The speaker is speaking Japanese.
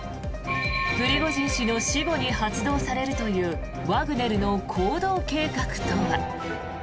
プリゴジン氏の死後に発動されるというワグネルの行動計画とは。